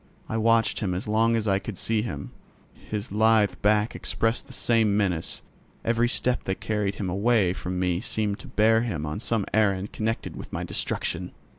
I watched him as long as I could see him. His lithe back expressed the same menace; every step that carried him away from me seemed to bear him on some errand connected with my destruction.